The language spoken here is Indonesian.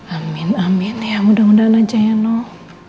amin amin ya mudah mudahan aja ya nok